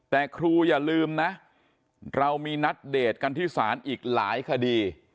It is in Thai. แต่ครูอย่าลืมนะเรามีนัดเดทกันที่ศาลอีกหลายคดี